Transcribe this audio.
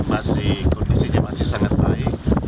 masih kondisinya masih sangat baik